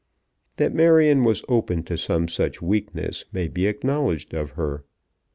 That Marion was open to some such weakness may be acknowledged of her.